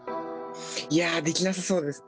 いやできなさそうです。